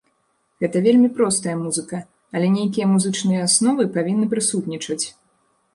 Гэта вельмі простая музыка, але нейкія музычныя асновы павінны прысутнічаць.